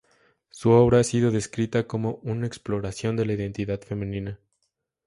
Su obra ha sido descrita como "una exploración de la identidad femenina".